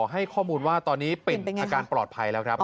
ให้ข้อมูลว่าตอนนี้ปิ่นอาการปลอดภัยแล้วครับ